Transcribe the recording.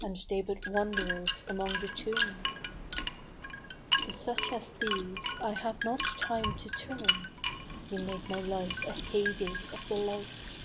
And they but wanderers amongst the tomb. To such as these I have not time to turn (You make my life a hey day of delight